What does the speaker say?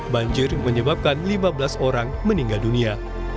banjir menyebabkan lima belas orang meninggal dunia